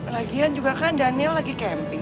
lagian juga kan daniel lagi camping